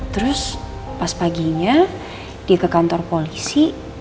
terus pas paginya dia ke kantor polisi